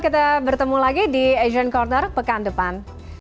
kita bertemu lagi di asian corner pekan depan